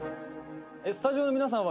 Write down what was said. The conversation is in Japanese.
「スタジオの皆さんは」